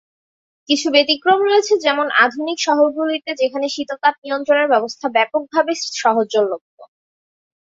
কিছু ব্যতিক্রম হয়েছে যেমন আধুনিক শহরগুলিতে যেখানে শীতাতপ নিয়ন্ত্রণ ব্যবস্থা ব্যাপকভাবে সহজলভ্য।